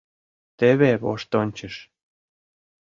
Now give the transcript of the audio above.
Теве воштончыш.